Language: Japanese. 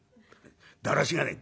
「だらしがねえ」。